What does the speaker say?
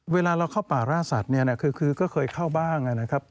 เวลาเราเข้าป่าร่าสัตว์เนี่ยคือก็เคยเข้าบ้างนะครับ